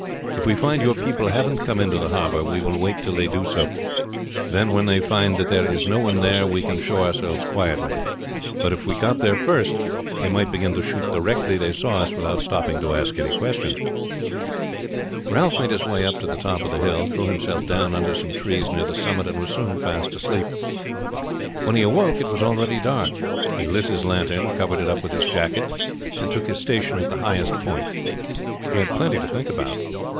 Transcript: If we find your people haven't come into the harbor we will wait till they do so; then when they find that there is no one there we can show ourselves quietly; but if we got there first they might begin to shoot directly they saw us without stopping to ask any questions." Ralph made his way up to the top of the hill, threw himself down under some trees near the summit, and was soon fast asleep. When he awoke it was already dark. He lit his lantern, covered it up in his jacket, and took his station at the highest point. He had plenty to think about.